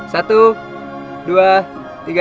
satu dua tiga